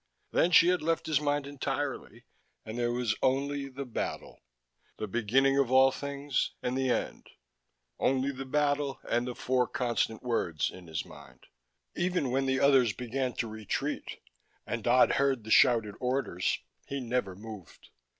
Then she had left his mind entirely and there was only the battle, the beginning of all things and the end (only the battle and the four constant words in his mind): even when the others began to retreat and Dodd heard the shouted orders he never moved.